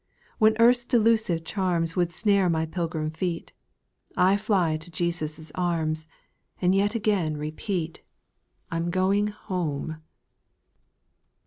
6. When earth's delusive charms Would snare my pilgrim feet, I fly to Jesus* arms, And yet again repeat, I 'm going home.